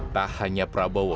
tak hanya prabowo